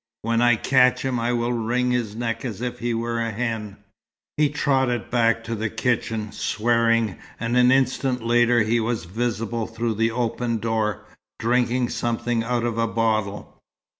When I catch him I will wring his neck as if he were a hen." He trotted back to the kitchen, swearing, and an instant later he was visible through the open door, drinking something out of a bottle.